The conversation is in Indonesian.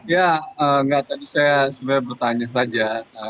ya enggak tadi saya sebenarnya bertanya saja